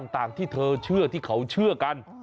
ต่างที่เธอเชื่อที่เขาเชื่อกัน